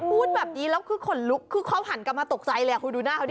พูดแบบนี้แล้วคือขนลุกคือเขาหันกลับมาตกใจเลยคุณดูหน้าเขาดิ